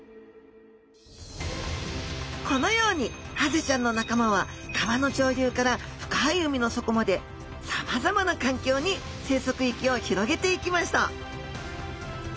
このようにハゼちゃんの仲間は川の上流から深い海の底までさまざまな環境に生息域を広げていきました